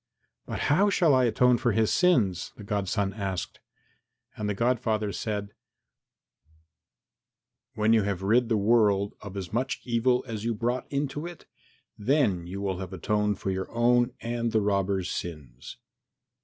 "But how shall I atone for his sins?" the godson asked. And the godfather said, "When you have rid the world of as much evil as you brought into it, then you will have atoned for your own and the robber's sins."